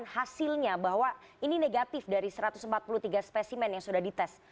dan hasilnya bahwa ini negatif dari satu ratus empat puluh tiga spesimen yang sudah dites